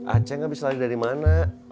aceng abis lari dari mana